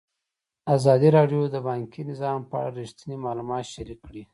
ازادي راډیو د بانکي نظام په اړه رښتیني معلومات شریک کړي.